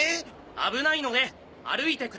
危ないので歩いてください！